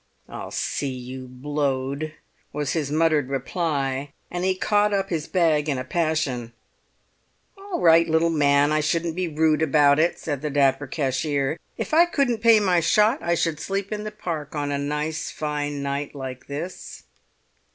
"I'll see you blowed," was his muttered reply, and he caught up his bag in a passion. "All right, little man! I shouldn't be rude about it," said the dapper cashier. "If I couldn't pay my shot I should sleep in the Park, on a nice fine night like this."